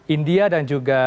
india dan juga